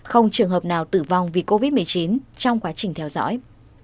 không trường hợp nào tử vong vì covid một mươi chín trong quá trình theo dõi